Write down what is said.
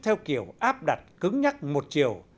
theo kiểu áp đặt cứng nhắc một chiều